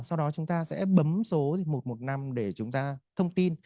sau đó chúng ta sẽ bấm số một trăm một mươi năm để chúng ta thông tin